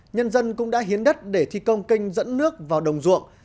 nhân dân cũng đã hiến đất để thi công kênh dẫn nước vào đồng ruộng